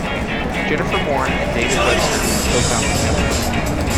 Jennifer Horne and David Webster were co-founding members.